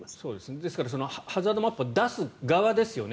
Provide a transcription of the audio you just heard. ですからハザードマップを出す側ですよね。